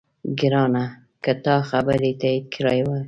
ګرانه! که تا خبرې تایید کړې وای،